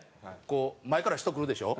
こう前から人来るでしょ？